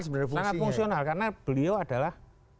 sebenarnya fungsinya sangat fungsional karena beliau adalah